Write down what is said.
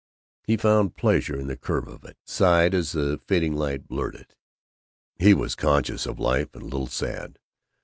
He found pleasure in the curve of it, sighed as the fading light blurred it. He was conscious of life, and a little sad.